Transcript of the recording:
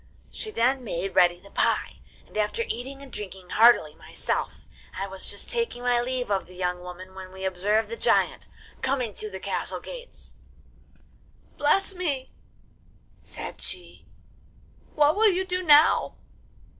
She then made ready the pie, and after eating and drinking heartily myself, I was just taking my leave of the young woman when we observed the giant coming through the castle gates. '"Bless me," said she, "what will you do now?